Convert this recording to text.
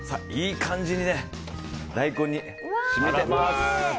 いい感じに大根に染みてます。